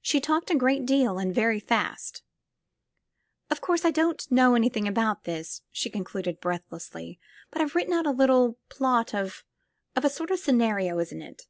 She talked a great deal and very fast. 184 THE FILM OF FATE '*0f course I don't know anything about this," she concluded breathlessly, ''but I've written out a little plot of — of — a sort of scenario, isn't it!"